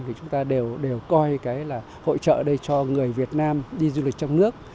thì chúng ta đều coi hội trợ đây cho người việt nam đi du lịch trong nước